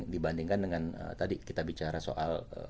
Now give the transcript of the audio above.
dibandingkan dengan tadi kita bicara soal